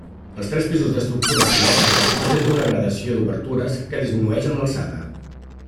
Els tres pisos d'estructura simètrica presenta una gradació d'obertures que disminueix amb l'alçada.